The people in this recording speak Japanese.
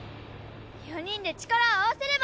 ４人で力を合わせれば！